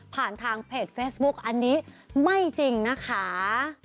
ทางเพจเฟซบุ๊กอันนี้ไม่จริงนะคะ